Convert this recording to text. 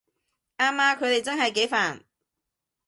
啱吖，佢哋真係幾煩